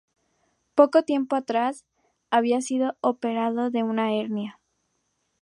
Poco tiempo atrás, había sido operado de una hernia.